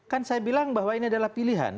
kan saya bilang bahwa ini adalah pilihan